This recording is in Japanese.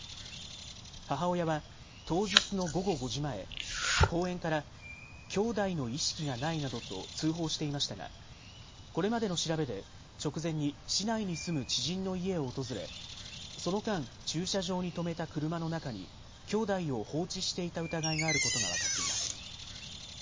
母親は当日の午後５時前、公園からきょうだいの意識がないなどと通報していましたがこれまでの調べで直前に市内に住む知人の家を訪れ、その間駐車場に止めた車の中にきょうだいを放置していた疑いがあることが分かっています。